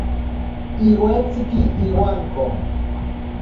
Iwetsiki iwanko.